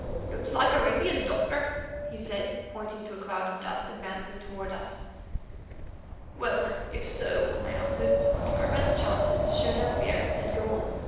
"Looks like Arabians, Doctor," he said, pointing to a cloud of dust advancing toward us. "Well, if so," I answered, "our best chance is to show no fear and go on.